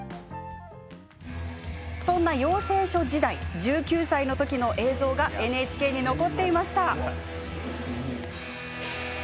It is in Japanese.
そんな養成所時代１９歳の時の映像がＮＨＫに残っていました。